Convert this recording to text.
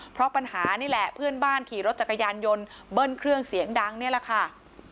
เพราะปัญหานี่แหละเพื่อนบ้านขี่รถจักรยานยนต์เบิ้ลเครื่องเสียงดังนี่แหละค่ะ